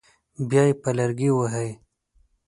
بیا یې په لرګي وهي.